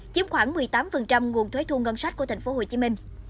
chiếm khoảng một mươi tám nguồn thuế thu ngân sách của tp hcm